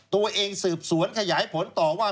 ตัวเองสืบสวนขยายผลต่อว่า